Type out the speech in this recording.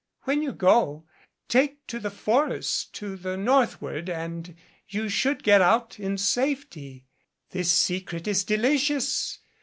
When you go, take to the forest to the northward and you should get out in safety. This secret is delicious.